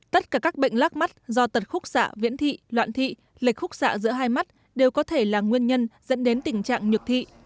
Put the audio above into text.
tất cả các bệnh lác mắt do tật khúc xạ viễn thị loạn thị lệch khúc xạ giữa hai mắt đều có thể là nguyên nhân dẫn đến tình trạng nhược thị